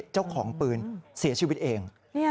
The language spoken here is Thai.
เจ้าของปืนเสียชีวิตเอง